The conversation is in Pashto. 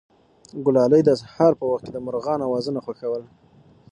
ګلالۍ د سهار په وخت کې د مرغانو اوازونه خوښول.